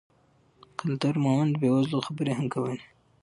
قلندر مومند د بې وزلو خبرې هم کولې.